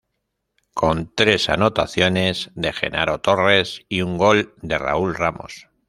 Con tres anotaciones de Genaro Torres y un gol de Raúl Ramos.